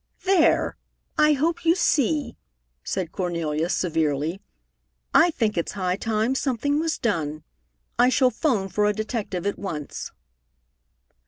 "There! I hope you see!" said Cornelia severely. "I think it's high time something was done. I shall 'phone for a detective at once!"